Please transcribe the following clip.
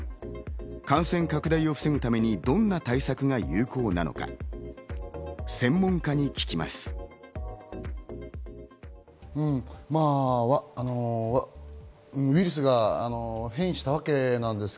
感染拡大を防ぐためにどんな対策が有効なのか、専門家に聞きます。